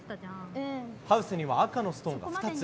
ハウスには赤のストーンが２つ。